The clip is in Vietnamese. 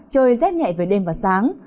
trời rét nhẹ về đêm và sáng